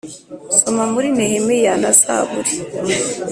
Soma muri Nehemiya na zaburi